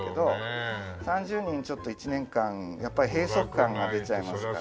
３０人でちょっと１年間やっぱり閉塞感が出ちゃいますから。